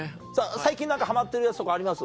最近何かハマってるやつとかあります？